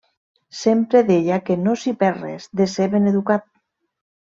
Sempre deia que no s'hi perd res de ser ben educat.